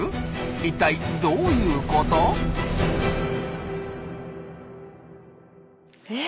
一体どういうこと？え？